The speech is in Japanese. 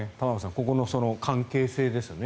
ここの関係性ですよね